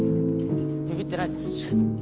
ビビってないっす。